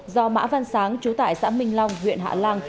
do mã văn sáng chú tại xã minh long huyện hạ lan